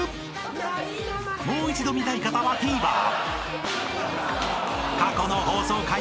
［もう一度見たい方はＴＶｅｒ］